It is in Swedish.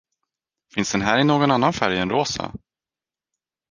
Finns den här i någon annan färg än rosa?